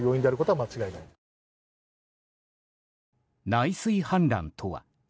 内水氾濫とは。